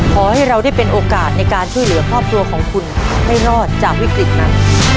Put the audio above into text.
ขอให้เราได้เป็นโอกาสในการช่วยเหลือครอบครัวของคุณให้รอดจากวิกฤตนั้น